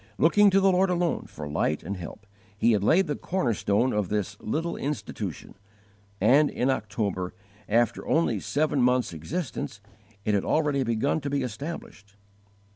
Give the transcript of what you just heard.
Looking to the Lord alone for light and help, he had laid the corner stone of this "little institution"; and in October, after only seven months' existence, it had already begun to be established.